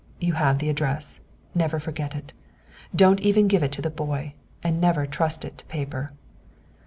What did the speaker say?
You have the address. Never forget it. Don't even give it to the boy. And never trust it to paper."